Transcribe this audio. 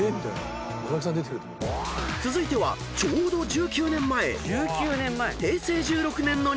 ［続いてはちょうど１９年前］